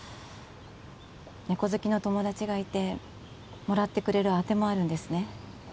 猫好きの友達がいてもらってくれるあてもあるんですね